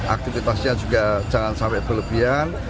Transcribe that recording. aktivitasnya juga jangan sampai berlebihan